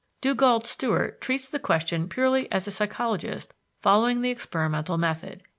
Dugald Stewart treats the question purely as a psychologist following the experimental method.